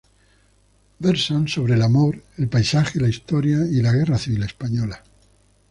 Versan sobre el amor, el paisaje, la historia y la Guerra civil española.